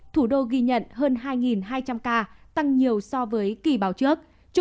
thủ đô ghi nhận hơn hai hai trăm linh ca tăng nhiều so với kỳ báo trước